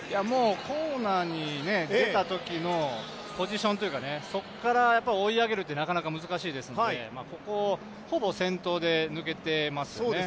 コーナーに出たときのポジションというか、そこから追い上げるって、なかなか難しいですので、ここをほぼ先頭で抜けていますね。